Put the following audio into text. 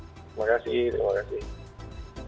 terima kasih terima kasih